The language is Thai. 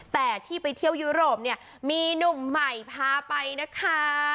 แต่ที่ไปเที่ยวยุโรปเนี่ยมีหนุ่มใหม่พาไปนะคะ